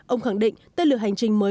ông khẳng định tên lửa hành trình mới